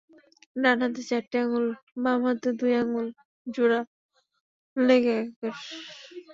ডান হাতে চারটি আঙুল, বাম হাতে দুই আঙুল জোড়া লেগে একাকার।